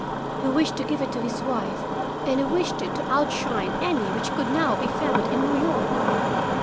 He wished to give it to his wife, and he wished it to outshine any which could now be found in New York.